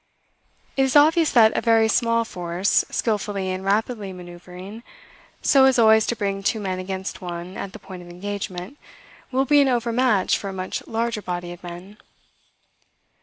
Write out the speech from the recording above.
It is obvious that a very small force, skilfully and rapidly manoeuvring, so as always to bring two men against one at the point of engagement, will be an overmatch for a much larger body of men.